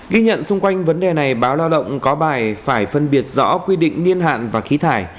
ghi nhận xung quanh vấn đề này báo lao động có bài phải phân biệt rõ quy định niên hạn và khí thải